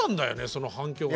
その反響が。